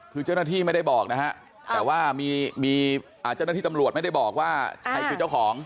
คือเจ้าหน้าที่ไม่ได้บอกนะฮะแต่ว่ามีเจ้าหน้าที่ตำรวจไม่ได้บอกว่าใครคือเจ้าของ